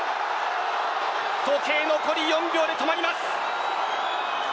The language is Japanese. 時計、残り４秒で止まります。